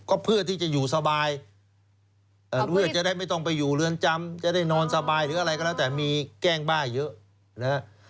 ก็เพื่อที่จะอยู่สบายเพื่อจะได้ไม่ต้องไปอยู่เรือนจำจะได้นอนสบายหรืออะไรก็แล้วแต่มีแกล้งบ้าเยอะนะฮะ